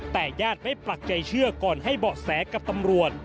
แต่ญาติไม่ปักใจเชื่อก่อนให้เบาะแสกับตำรวจ